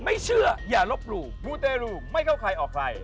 ไม่เชื่ออย่าลบหลู่มูเตรูไม่เข้าใครออกใคร